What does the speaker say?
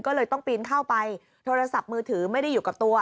ก็เลยต้องปีนเข้าไปโทรศัพท์มือถือไม่ได้อยู่กับตัว